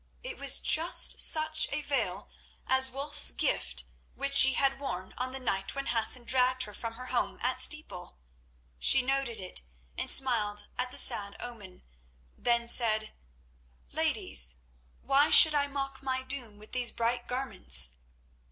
It was just such a veil as Wulf's gift which she had worn on the night when Hassan dragged her from her home at Steeple. She noted it and smiled at the sad omen, then said: "Ladies, why should I mock my doom with these bright garments?"